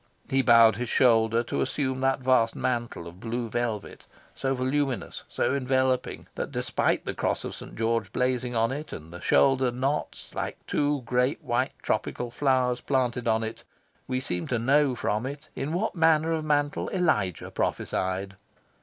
He bowed his shoulders to assume that vast mantle of blue velvet, so voluminous, so enveloping, that, despite the Cross of St. George blazing on it, and the shoulder knots like two great white tropical flowers planted on it, we seem to know from it in what manner of mantle Elijah prophesied.